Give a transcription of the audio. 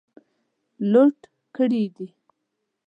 لوټ کړي دي.